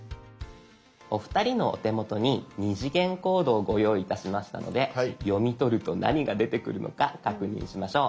お二人のお手元に２次元コードをご用意いたしましたので読み取ると何が出てくるのか確認しましょう。